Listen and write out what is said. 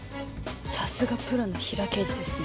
さすがプロのヒラ刑事ですね。